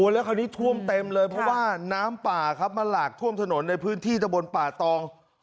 แล้วคราวนี้ท่วมเต็มเลยเพราะว่าน้ำป่าครับมาหลากท่วมถนนในพื้นที่ตะบนป่าตอง